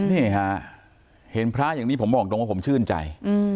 นี่ฮะเห็นพระอย่างนี้ผมบอกตรงว่าผมชื่นใจ